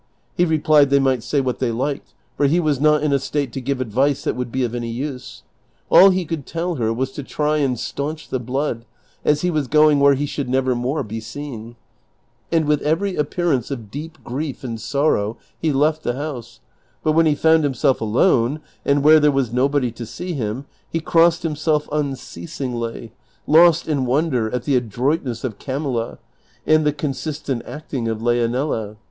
He replied they might say what they liked, for he was not in a state to give advice that would be of any use ; all he could tell her was to try and stanch the blood, as he was going where he should never more be seen ; and with every a]>pearance of deep grief and sorrow he left the house ; but when he found himself alone, and where there was nobody to see him, he crossed himself unceas ingly, lost in wonder at the adroitness of Camilla and the consistent CHAPTER XXXIV. 299 acting of Leonela.